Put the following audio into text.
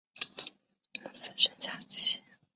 他提出要和死神下棋。